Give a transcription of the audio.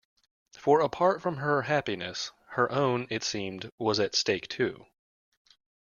For apart from her happiness, her own, it seemed, was at stake too.